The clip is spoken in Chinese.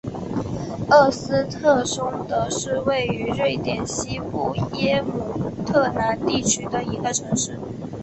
厄斯特松德是位于瑞典西部耶姆特兰地区的一个城市。